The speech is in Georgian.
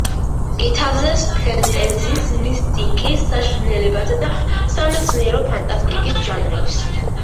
ითავსებს ფენტეზის, მისტიკის, საშინელებათა და სამეცნიერო ფანტასტიკის ჟანრებს.